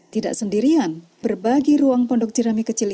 tidak sendirian berbagi ruang pondok ceramik kecilnya